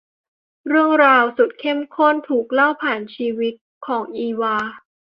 เรื่องราวสุดเข้มข้นถูกเล่าผ่านชีวิตของ อีวา